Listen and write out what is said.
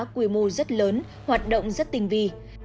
quy mô rất lớn hoạt động rất tinh vi